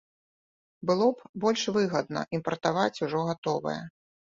Было б больш выгадна імпартаваць ужо гатовае.